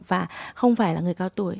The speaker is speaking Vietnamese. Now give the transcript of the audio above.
và không phải là người cao tuổi